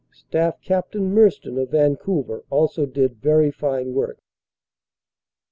Staff Capt. Merston of Vancouver also did very fine work.